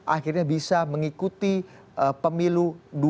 akhirnya bisa mengikuti pemilu dua ribu sembilan belas